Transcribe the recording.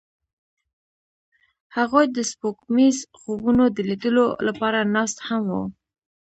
هغوی د سپوږمیز خوبونو د لیدلو لپاره ناست هم وو.